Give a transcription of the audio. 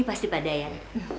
ini pasti pak dayan